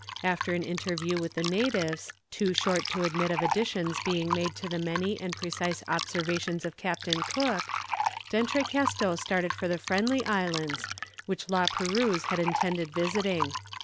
After an interview with the natives, too short to admit of additions being made to the many and precise observations of Captain Cook, D'Entrecasteaux started for the Friendly Islands, which La Perouse had intended visiting.